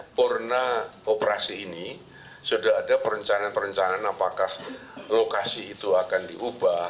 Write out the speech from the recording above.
sudah ada perencanaan ya porna operasi ini sudah ada perencanaan perencanaan apakah lokasi itu akan diubah